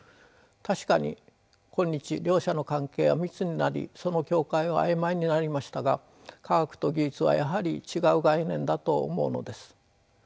確かに今日両者の関係は密になりその境界は曖昧になりましたが科学と技術はやはり違う概念だと思うのです。